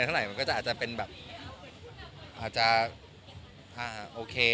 ไม่เคยปรึกษาก่อนไม่เคย